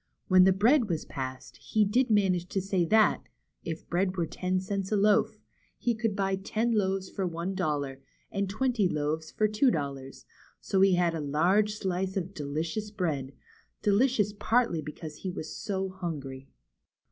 When the bread was passed, he did manage to say that, if bread were ten cents a loaf, he could buy ten loaves for one dollar, and twenty loaves for two dollars, so he had a large slice of 76 THE CHILDREN'S WONDER BOOK. delicious bread, delicious partly because he was so hungry.